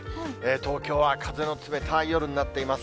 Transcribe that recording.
東京は風の冷たい夜になっています。